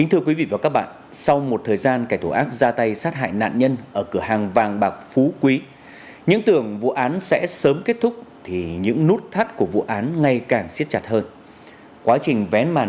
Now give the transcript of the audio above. hãy đăng ký kênh để ủng hộ kênh của mình nhé